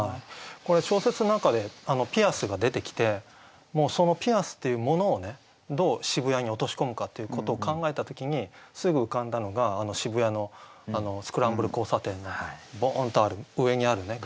これ小説の中でピアスが出てきてそのピアスっていうものをどう渋谷に落とし込むかっていうことを考えた時にすぐ浮かんだのが渋谷のスクランブル交差点のボーンとある上にあるね街頭ビジョン。